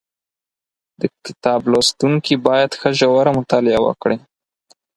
د کتاب لوستونکي باید ښه ژوره مطالعه وکړي